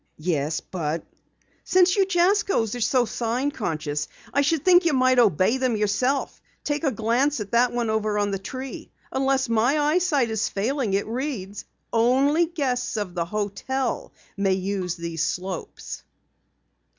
"Yes, but " "Since you Jaskos are so sign conscious I should think you might obey them yourself! Take a glance at that one over on the tree. Unless my eyesight is failing it reads: 'Only guests of the hotel may use these slopes.'"